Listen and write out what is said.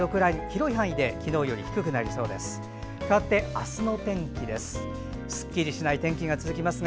広い範囲で昨日より低くなりそうです。